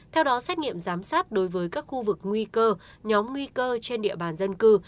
theo đó xét nghiệm giám sát đối với các khu vực nguy cơ nhóm nguy cơ trên địa bàn dân cư